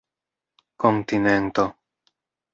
kontinento